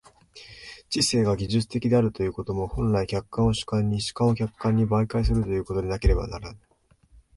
知性が技術的であるということも、本来、客観を主観に、主観を客観に媒介するということでなければならぬ。